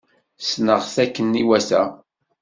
Sneɣ-t akken iwata.